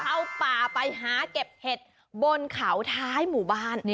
เอาป่าไปหาเก็บเห็ดบนเขาท้ายหมู่บ้าน